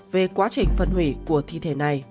về quá trình phân hủy của thi thể này